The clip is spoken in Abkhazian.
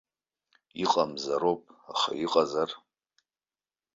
Иҟамзароуп, аха иҟазар?